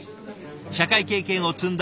社会経験を積んだ